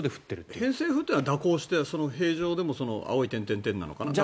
偏西風というのは蛇行して平常でも青い点々のところかな。